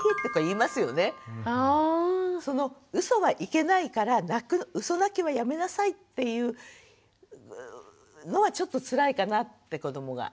そのうそはいけないからうそ泣きはやめなさいっていうのはちょっとつらいかなって子どもが。